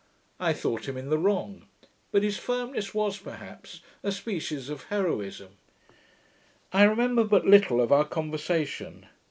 I thought him in the wrong; but his firmness was, perhaps, a species of heroism. I remember but little of our conversation.